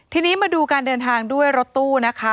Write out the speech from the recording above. ทีนี้มาดูการเดินทางด้วยรถตู้นะคะ